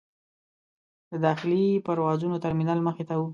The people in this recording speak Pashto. د داخلي پروازونو ترمینل مخې ته و.